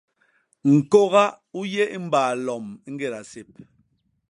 ñkôga u yé i mbaa lom ñgéda sép.